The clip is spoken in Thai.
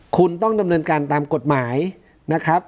คุณต้องดำเนินการตามกฎหมายนะครับ